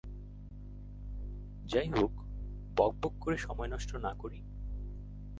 যাই হোক বকবক করে সময় নষ্ট না করি।